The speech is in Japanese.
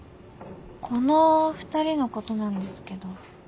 この２人のことなんですけど。